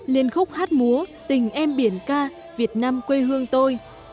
liên khúc hát múa tình em biển ca việt nam quê hương tôi